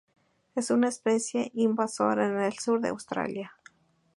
Es una especie invasora en el sur de Australia.